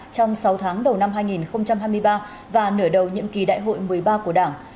trong sáu tháng đầu năm hai nghìn hai mươi ba và nửa đầu nhiệm kỳ đại hội một mươi ba của đảng